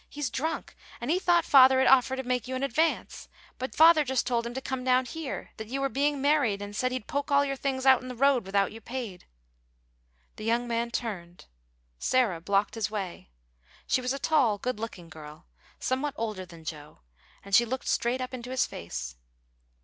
He's drunk, and he thought father'd offer to make you an advance; but father just told him to come down here, that you were being married, and say he'd poke all your things out in the road without you paid." The young man turned. Sarah blocked his way. She was a tall, good looking girl, somewhat older than Joe, and she looked straight up into his face.